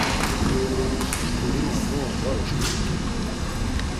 Şǩurina mu on var uşǩurt̆u.